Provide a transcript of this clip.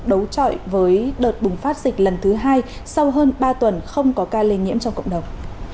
đấu trọi với đợt bùng phát dịch lần thứ hai sau hơn ba tuần không có ca lây nhiễm trong cộng đồng